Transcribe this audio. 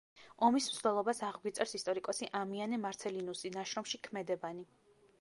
ომის მსვლელობას აღგვიწერს ისტორიკოსი ამიანე მარცელინუსი ნაშრომში „ქმედებანი“.